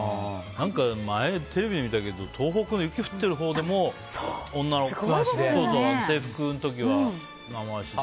前、テレビで見たけど東北で雪が降ってるところでも女の子は制服の時は生足で。